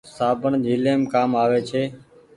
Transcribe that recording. سابڻ جھليم ڪآم آوي ڇي۔